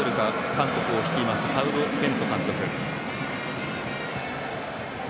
韓国を率いますパウロ・ベント監督。